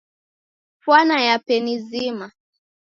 Fwana yape ni zima.